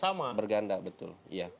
dua tiga empat berganda betul